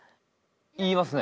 言いますね。